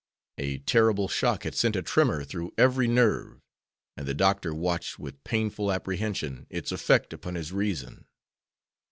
A terrible shock had sent a tremor through every nerve, and the doctor watched with painful apprehension its effect upon his reason.